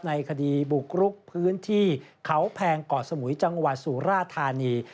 ในคดีบุกรุกพื้นที่เขาแพงเกาะสมุยจังหวัดสุราธานี